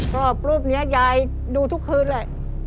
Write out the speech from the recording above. ก็รูปนี้ยายดูทุกคืนแหละ